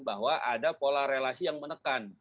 bahwa ada pola relasi yang menekan